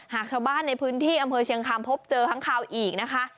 หากชาวบ้านในพื้นที่อำเภอเชียงคามพบเจอค้างคาวอีกนะคะ